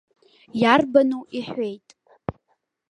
Иарбану, иҳәеит.